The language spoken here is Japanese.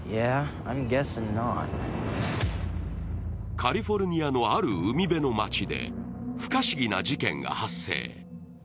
カリフォルニアのある海辺の町で不可思議な事件が発生。